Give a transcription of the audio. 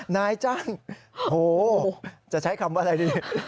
นายจ้างโหจะใช้คำว่าอะไรดี